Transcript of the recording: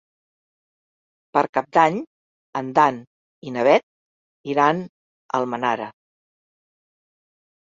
Per Cap d'Any en Dan i na Bet iran a Almenara.